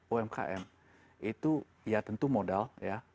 umkm itu ya tentu modal ya